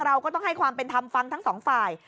เราก็ต้องให้ความเป็นธรรมฟังทั้งสองฝ่าย